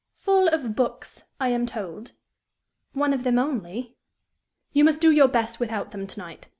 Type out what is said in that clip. "Full of books, I am told." "One of them only." "You must do your best without them to night.